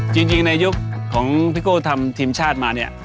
จริงในยุคของพี่โก้ทำทีมชาติมาเนี่ย